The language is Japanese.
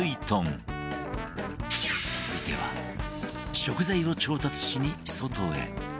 続いては食材を調達しに外へ